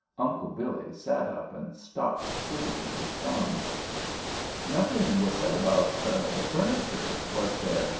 Uncle Billy sat up and stopped twiddling his thumbs. "Nothing was said about the furniture, was there?"